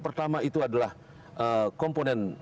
pertama itu adalah komponen